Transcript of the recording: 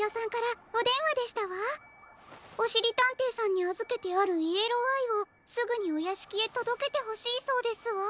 おしりたんていさんにあずけてあるイエローアイをすぐにおやしきへとどけてほしいそうですわ。